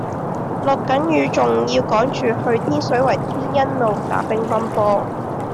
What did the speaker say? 落緊雨仲要趕住去天水圍天恩路打乒乓波